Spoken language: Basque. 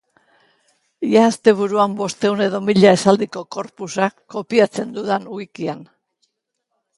Ea asteburuan bostehun edo mila esaldiko corpusa kopiatzen dudan wikian.